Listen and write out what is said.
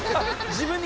自分に。